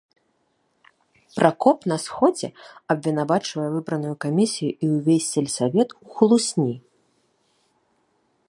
Пракоп на сходзе абвінавачвае выбраную камісію і ўвесь сельсавет у хлусні.